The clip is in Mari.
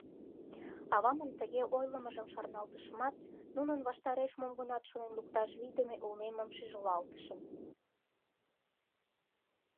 Авамын тыге ойлымыжым шарналтышымат, нунын ваштареш мом-гынат шонен лукташ вийдыме улмемым шижылалтышым.